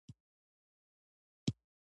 استاد بینوا د قلمي مبارزې سرلاری و.